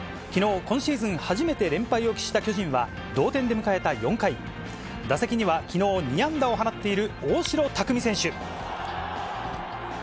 きのう、今シーズン初めて連敗を喫した巨人は、同点で迎えた４回、打席にはきのう、２安打を放っている大城卓三選手。